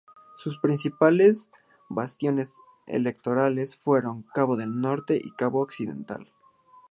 Sus principales bastiones electorales fueron Cabo del Norte y Cabo Occidental.